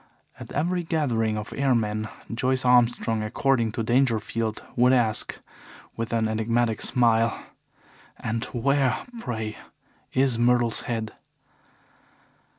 At every gathering of airmen, Joyce Armstrong, according to Dangerfield, would ask, with an enigmatic smile: "And where, pray, is Myrtle's head?"